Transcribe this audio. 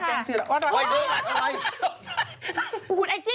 โอ๊ยคุณอังจิปล่อยค่ะเดี๋ยวเขาถือ